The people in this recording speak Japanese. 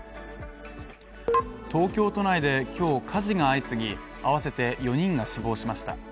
東京都内で今日火事が相次ぎ、あわせて４人が死亡しました。